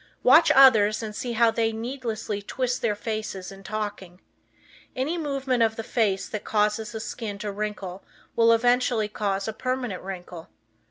Watch others and see how they needlessly twist their faces in talking. Any movement of the face that causes the skin to wrinkle will eventually cause a permanent wrinkle.